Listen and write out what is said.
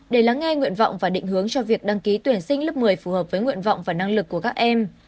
để lắng nghe nguyện vọng và định hướng cho việc đăng ký tuyển sinh lớp một mươi phù hợp với nguyện vọng và năng lực của các em